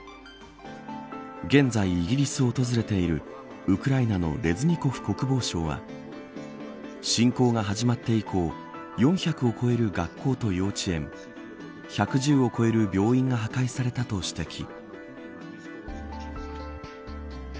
現在イギリスを訪れているウクライナのレズニコフ国防相は侵攻が始まって以降４００を超える学校と幼稚園１１０を超える病院が破壊されたと指摘。